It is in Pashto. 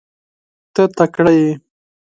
ته تکړه یې .